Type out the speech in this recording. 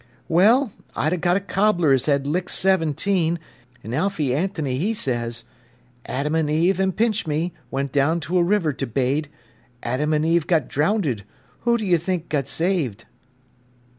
"Well, I'd got a cobbler as 'ad licked seventeen—an' Alfy Ant'ny 'e says: 'Adam an' Eve an' pinch me, Went down to a river to bade. Adam an' Eve got drownded, Who do yer think got saved?